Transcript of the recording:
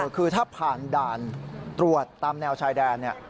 คือถ้าผ่านด่านตรวจตามแนวชายแดน